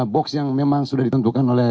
box yang memang sudah ditentukan oleh